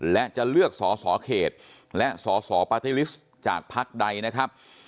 และจะเลือกสอสอเขตและสสปาร์ตี้ลิสต์จากพักใดนะครับ